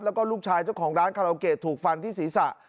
แล้วก็ลูกชายเจ้าของร้านคาราโอเกะถูกฟันที่ศีรษะ